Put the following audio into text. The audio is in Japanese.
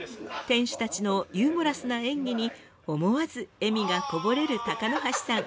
店主たちのユーモラスな演技に思わず笑みがこぼれる鷹箸さん。